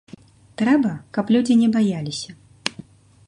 Трэба, каб людзі не баяліся.